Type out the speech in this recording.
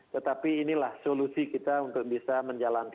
tetapi inilah solusi kita untuk bisa menjalankan